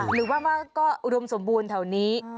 หรือว่าก็อุดมสมบูรณ์แถวนี้